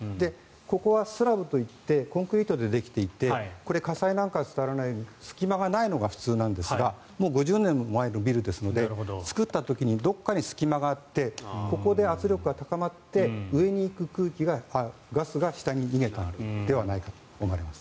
ここはスラブといってコンクリートでできていてこれは火災なんかが伝わらないように隙間がないのが普通ですが５０年も前のビルですので作った時にどこかに隙間があってここで圧力が高まって上に行く空気、ガスが下に逃げたのではないかと思われます。